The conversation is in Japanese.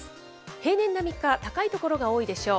平年並みか、高い所が多いでしょう。